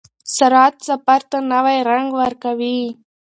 سرعت سفر ته نوی رنګ ورکوي.